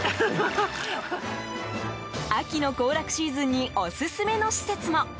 秋の行楽シーズンにオススメの施設も。